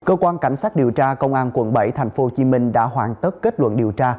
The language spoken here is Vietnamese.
cơ quan cảnh sát điều tra công an quận bảy tp hcm đã hoàn tất kết luận điều tra